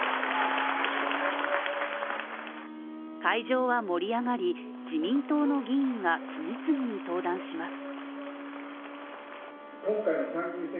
会場は盛り上がり、自民党の議員が次々に登壇します。